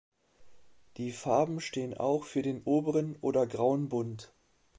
Die Farben stehen auch für den Oberen oder Grauen Bund.